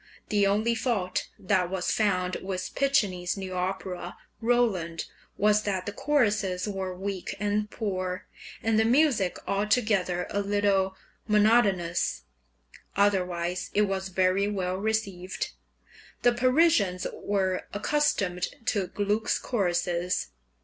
The only fault that was found with Piccinni's new opera "Roland" was that the choruses were weak and poor, and the music altogether a little monotonous; otherwise it was very well received. The Parisians were accustomed to Gluck's choruses.